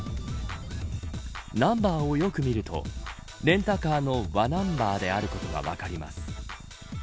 ナンバーをよく見るとレンタカーの、わナンバーであることが分かります。